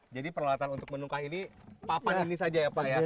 jadi peralatan untuk menungkah ini papan ini saja ya pak ya